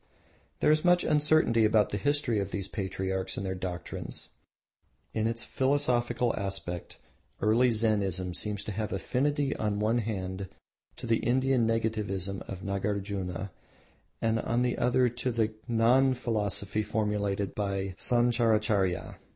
There is much uncertainty about the history of these patriarchs and their doctrines. In its philosophical aspect early Zennism seems to have affinity on one hand to the Indian Negativism of Nagarjuna and on the other to the Gnan philosophy formulated by Sancharacharya.